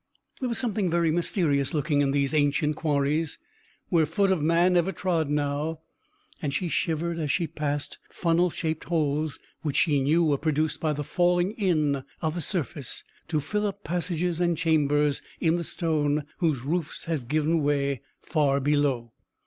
There was something very mysterious looking in these ancient quarries where foot of man never trod now, and she shivered as she passed funnel shaped holes which she knew were produced by the falling in of the surface to fill up passages and chambers in the stone whose roofs had given way far below.